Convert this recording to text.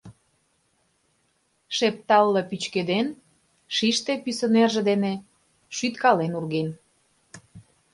Шепталло пӱчкеден, Шиште пӱсӧ нерже дене шӱткален урген.